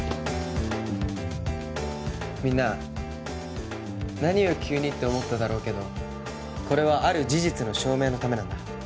みんな何を急にって思っただろうけどこれはある事実の証明のためなんだ。